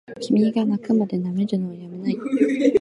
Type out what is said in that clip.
君がッ泣くまで殴るのをやめないッ！